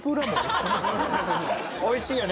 おいしいよね。